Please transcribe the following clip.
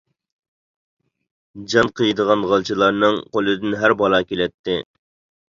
جان قىيىدىغان غالچىلارنىڭ قولىدىن ھەر بالا كېلەتتى.